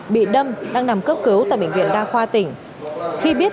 bị đâm đang nằm cấp cứu tại bệnh viện đa khoa tỉnh